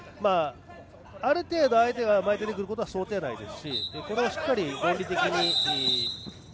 ある程度、相手が前に出てくることは想定内ですしこれをしっかり論理的に。